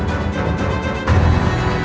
yang seperti badan